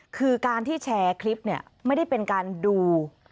คือการที่แชร์คลิปเนี่ยไม่ได้เป็นการดู